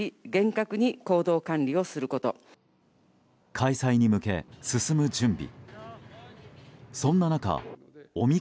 開催に向け、進む準備。